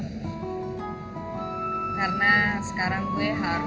karena sekarang gue harus